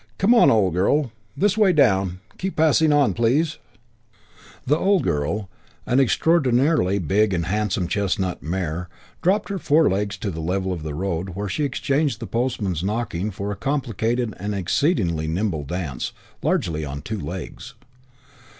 Come on, old girl. This way down. Keep passing on, please." The old girl, an extraordinarily big and handsome chestnut mare, dropped her forelegs to the level of the road, where she exchanged the postman's knocking for a complicated and exceedingly nimble dance, largely on two legs.